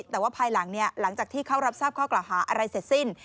แต่ว่าภายหลังจากที่เข้ารับทราบข้อกล่าวหาอะไรเสร็จสิ้น